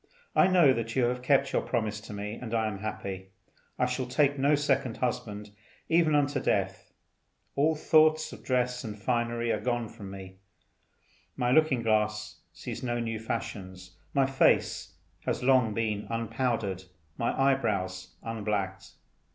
I know that you have kept your promise to me, and I am happy. I shall take no second husband, even unto death. All thoughts of dress and finery are gone from me; my looking glass sees no new fashions; my face has long been unpowdered, my eyebrows unblacked.